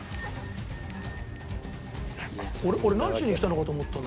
「俺何しに来たのかと思ったんだ